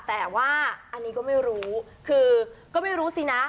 แต่ว่าอันนี้ก็ไม่รู้คือก็ไม่รู้สินะ